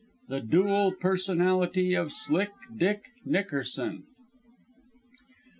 THE DUAL PERSONALITY OF SLICK DICK NICKERSON I.